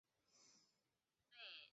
一人一万日元